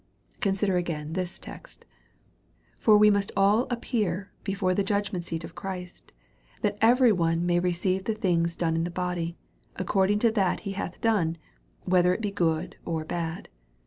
Consider again this text: For we must all appear before the judgment seat of Christ, that everyone may receive the things done in his body, according to that he hath done, ichether it be good or bad.